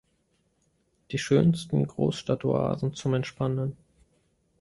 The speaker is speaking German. Die schönsten Großstadt-Oasen zum Entspannen".